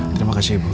terima kasih ibu